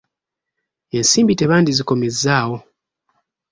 Ensimbi tebandizikomezzaawo.